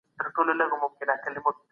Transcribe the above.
دود سته.